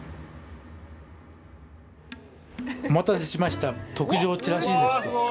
お待たせしました特上ちらし寿司です。